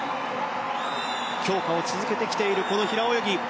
強化を続けてきている平泳ぎ。